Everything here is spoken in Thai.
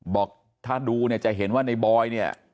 บอกถ้าดูเนี่ยจะเห็นว่าในบอยเนี่ย